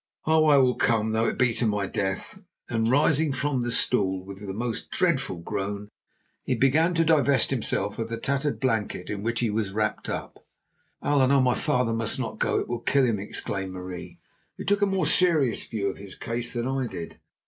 Oh! I will come, though it be to my death," and, rising from the stool with the most dreadful groan, he began to divest himself of the tattered blanket in which he was wrapped up. "Oh! Allan, my father must not go; it will kill him," exclaimed Marie, who took a more serious view of his case than I did.